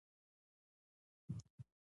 ایا ستاسو کوټه به روښانه وي؟